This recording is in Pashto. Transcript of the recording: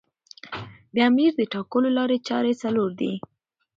د امیر د ټاکلو لاري چاري څلور دي.